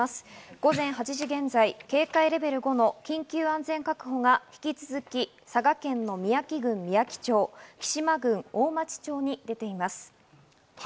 午前８時現在、警戒レベル５の緊急安全確保が引き続き佐賀県の三養基郡みやき町、杵島郡大町町に出ています。